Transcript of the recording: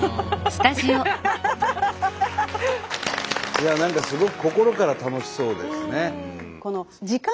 いや何かすごく心から楽しそうですね。